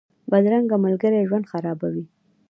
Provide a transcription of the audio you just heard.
بدرنګه ملګري ژوند خرابوي